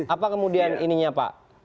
apa kemudian ininya pak